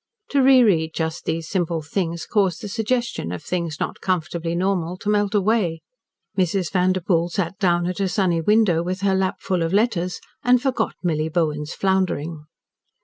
To reread just these simple things caused the suggestion of things not comfortably normal to melt away. Mrs. Vanderpoel sat down at a sunny window with her lap full of letters, and forgot Milly Bowen's floundering.